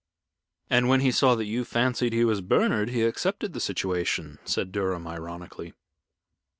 "And when he saw that you fancied he was Bernard, he accepted the situation," said Durham, ironically.